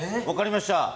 分かりました。